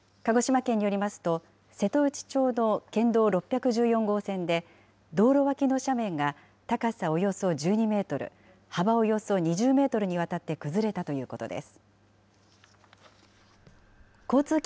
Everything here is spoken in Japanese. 鹿児島県によりますと、瀬戸内町の県道６１４号線で、道路脇の斜面が高さおよそ１２メートル、幅およそ２０メートルにわたって崩れたということです。